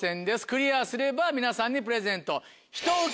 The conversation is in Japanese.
クリアすれば皆さんにプレゼント。